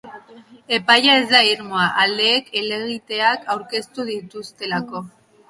Epaia ez da irmoa, aldeek helegiteak aurkeztu dituztelako.